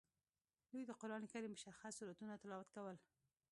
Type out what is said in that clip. دوی د قران کریم مشخص سورتونه تلاوت کول.